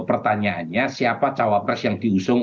pertanyaannya siapa cawapres yang diusung